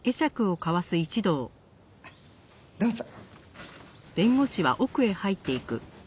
どうぞ。